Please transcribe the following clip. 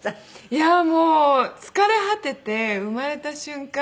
いやあもう疲れ果てて生まれた瞬間